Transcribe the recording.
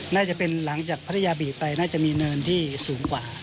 น่าจะเป็นหลังจากพัทยาบีไปน่าจะมีเนินที่สูงกว่า